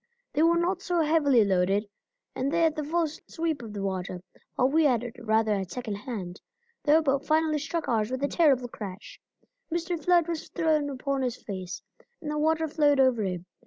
They were not so heavily loaded, and they had the full sweep of the water, while we had it rather at second hand. Their boat finally struck ours with a terrible crash. Mr. Flood was thrown upon his face, and the waters flowed over him.